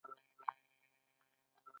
هغه د یوې ورکې معشوقې په لټون کې و